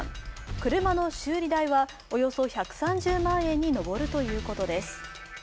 車の修理代はおよそ１３０万円に上るということです。